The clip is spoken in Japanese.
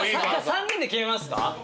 ３人で決めますか？